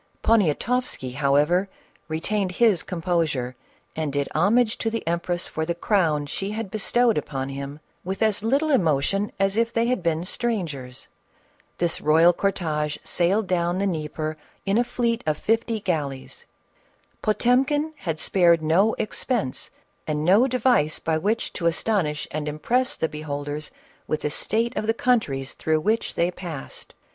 Poniatoffsky, however, retained his composure and did homage to the empress for the crown she had bestowed upon him, with as little emotion as if they had been strangers. This royal corlfye sailed down the Dnieper in a fleet of fifty galleys. Potemkin had spared no expense and no device by which to astonish and impress the beholders with the state of the countries through which they passed.